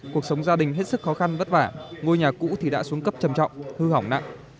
cuộc sống gia đình hết sức khó khăn vất vả ngôi nhà cũ thì đã xuống cấp trầm trọng hư hỏng nặng